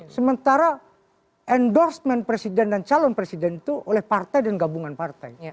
sementara endorsement presiden dan calon presiden itu oleh partai dan gabungan partai